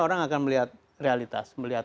orang akan melihat realitas melihat